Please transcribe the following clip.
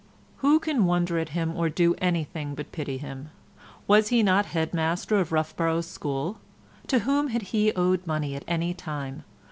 Who can wonder at him or do anything but pity him? Was he not head master of Roughborough School? To whom had he owed money at any time?